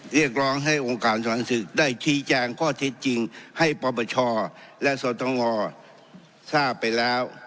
เรียกร้องให้องค์การสถานศึกได้ชี้แจงข้อเท็จจริงให้ปปชและสตงทราบไปแล้ว